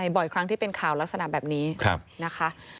บ่อยครั้งที่เป็นข่าวลักษณะแบบนี้นะคะ